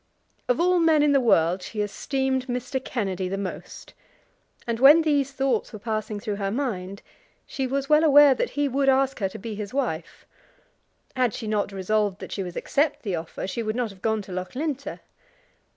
Of all men in the world she esteemed Mr. Kennedy the most, and when these thoughts were passing through her mind, she was well aware that he would ask her to be his wife. Had she not resolved that she would accept the offer, she would not have gone to Loughlinter.